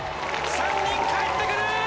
３人かえってくる！